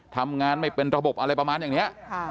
ทำงานไม่เป็นระบบอะไรประมาณอย่างนี้